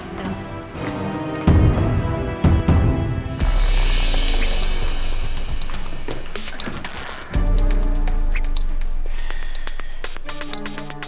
awak menyesul sekali